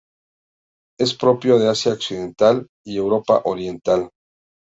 Es propio de Asia occidental y Europa oriental.